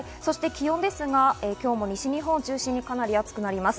気温ですが、今日も西日本を中心にかなり暑くなります。